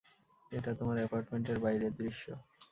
এটা তোমার অ্যাপার্টমেন্টের বাইরের দৃশ্য।